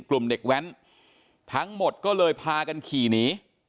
กลุ่มเด็กแว้นทั้งหมดก็เลยพากันขี่หนี